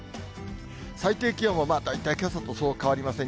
最低気温はまあ、大体けさとそう変わりません。